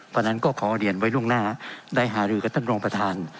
เพราะฉะนั้นก็ขอเรียนไว้ล่วงหน้าได้หารือกับท่านรองประธาน